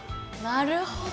なるほど。